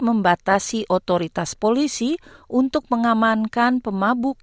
membatasi otoritas polisi untuk mengamankan pemabuk